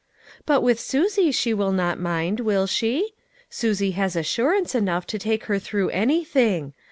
" But with Susie she will not mind, will she? Susie has assurance enough to take her through anything.